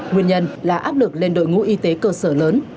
nguyên nhân là áp lực lên đội ngũ y tế cơ sở lớn